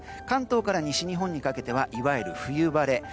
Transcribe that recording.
関東から西日本にかけてはいわゆる冬晴れ。